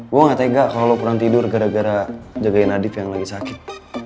gue gak tega kalo lo kurang tidur gara gara jagain nadif yang lagi sakit